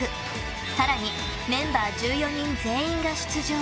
さらにメンバー１４人全員が出場。